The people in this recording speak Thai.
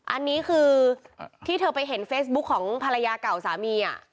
อันนี้คือที่เธอไปเห็นเฟซบุ๊คของภรรยาเก่าสามี